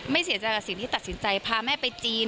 เสียใจกับสิ่งที่ตัดสินใจพาแม่ไปจีน